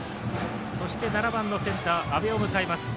そして７番のセンター安部を迎えます。